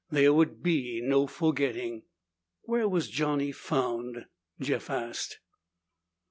There would be no forgetting. "Where was Johnny found?" Jeff asked.